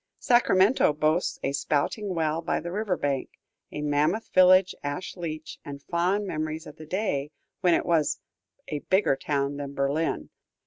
Sacramento boasts a spouting well by the river bank, a mammoth village ash leach, and fond memories of the day when it was "a bigger town than Berlin."